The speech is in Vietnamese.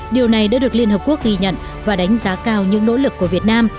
điều này đã được liên hợp quốc ghi nhận và đánh giá cao những nỗ lực của việt nam